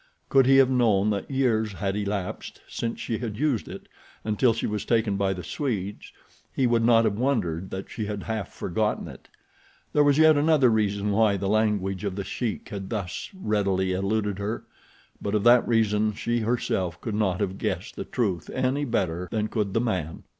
Could he have known that years had elapsed since she had used it until she was taken by the Swedes he would not have wondered that she had half forgotten it. There was yet another reason why the language of The Sheik had thus readily eluded her; but of that reason she herself could not have guessed the truth any better than could the man.